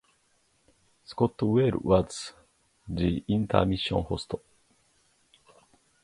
Scott Wahle was the intermission host.